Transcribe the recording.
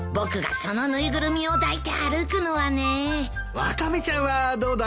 ワカメちゃんはどうだい？